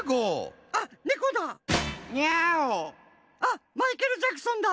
あっマイケル・ジャクソンだ。